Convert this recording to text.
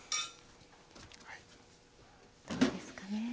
どうですかね？